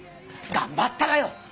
頑張ったわよ！